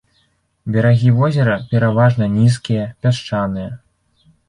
Берагі возера пераважна нізкія, пясчаныя.